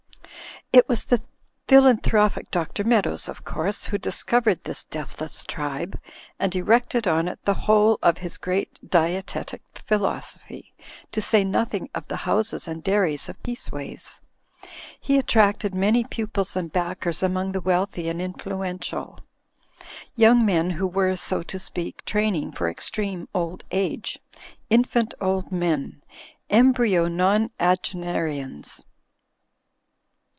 It was the philanthropic Dr. Meadows, of course, who discovered this deathless tribe, and erected on it the whole of his great dietetic philosophy, to say noth ing of the houses and dairies of Peaceways. He at tracted many pupils and backers among the wealthy and influential; yoimg men who were, so to speak, training for extreme old age, infant old men, embryo nonagenarians.